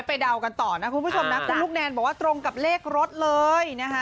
เดากันต่อนะคุณผู้ชมนะคุณลูกแนนบอกว่าตรงกับเลขรถเลยนะคะ